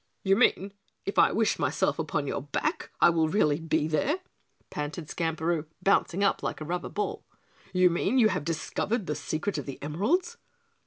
"You mean if I wish myself upon your back I will really be there?" panted Skamperoo, bouncing up like a rubber ball. "You mean you have discovered the secret of the emeralds?"